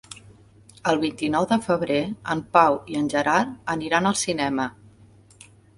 El vint-i-nou de febrer en Pau i en Gerard aniran al cinema.